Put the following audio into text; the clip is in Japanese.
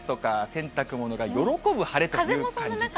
洗濯物が喜ぶ晴れという感じで。